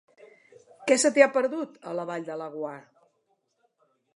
Què se t'hi ha perdut, a la Vall de Laguar?